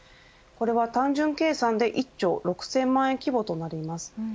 これは単純計算で１兆６０００万円規模となります。